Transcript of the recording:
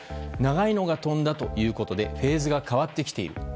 長いのが飛んだということでフェーズが変わってきている。